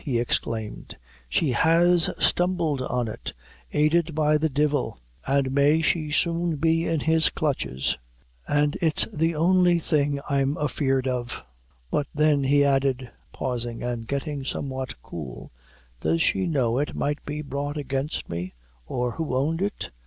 he exclaimed "she has stumbled on it, aided by the devil' an' may she soon be in his clutches! and it's the only thing I'm afeard of! But then," he added, pausing, and getting somewhat cool "does she know it might be brought against me, or who owned it?